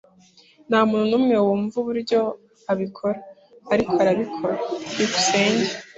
Ntamuntu numwe wumva uburyo abikora, ariko arabikora. byukusenge